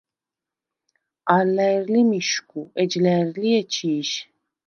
ალ ლა̈ირ ლი მიშგუ, ეჯ ლა̈ირ ლი ეჩი̄შ.